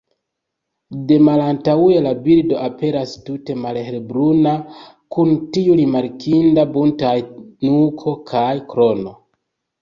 De malantaŭe la birdo aperas tute malhelbruna kun tiu rimarkinda buntaj nuko kaj krono.